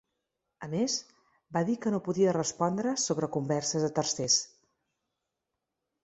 A més, va dir que no podia respondre sobre converses de ‘tercers’.